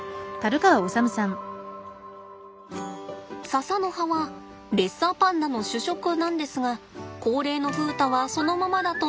笹の葉はレッサーパンダの主食なんですが高齢の風太はそのままだと食べづらいんです。